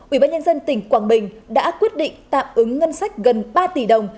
ủy ban nhân dân tỉnh quảng bình đã quyết định tạm ứng ngân sách gần ba tỷ đồng